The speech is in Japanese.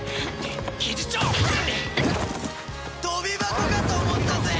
跳び箱かと思ったぜ！